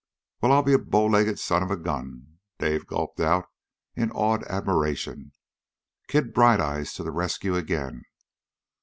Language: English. "Well, I'll be a bowlegged son of a gun!" Dawson gulped out in awed admiration. "Kid Bright Eyes to the rescue again.